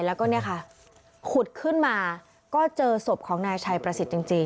แล้วก็เนี่ยค่ะขุดขึ้นมาก็เจอศพของนายชัยประสิทธิ์จริง